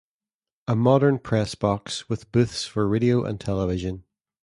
A modern press box with booths for radio and television.